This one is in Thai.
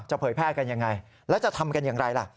เผยแพร่กันยังไงแล้วจะทำกันอย่างไรล่ะ